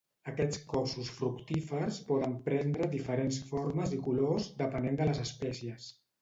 Aquests cossos fructífers poden prendre diferents formes i colors depenent de les espècies.